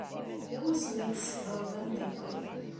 Yella wasmi ay tṣebbreḍ ameddakel?